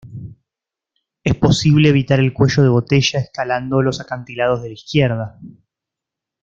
Es posible evitar el cuello de botella escalando los acantilados de la izquierda.